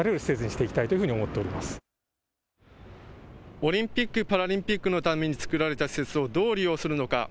オリンピック・パラリンピックのために造られた施設をどう利用するのか。